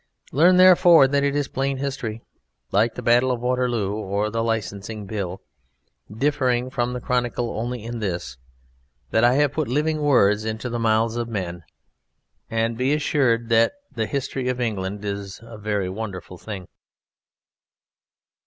Learn, therefore, that it is plain history, like the battle of Waterloo or the Licensing Bill (differing from the chronicle only in this, that I have put living words into the mouths of men), and be assured that the history of England is a very wonderful thing.